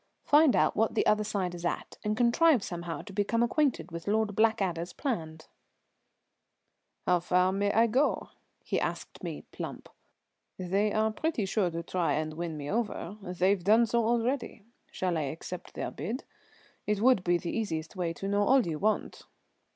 Find out what the other side is at, and contrive somehow to become acquainted with Lord Blackadder's plans." "How far may I go?" he asked me plump. "They are pretty sure to try and win me over, they've done so already. Shall I accept their bid? It would be the easiest way to know all you want."